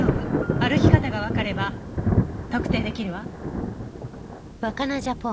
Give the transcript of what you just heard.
歩き方がわかれば特定できるわ。